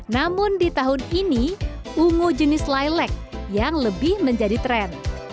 namun di tahun ini ungu jenis laylac yang lebih menjadi tren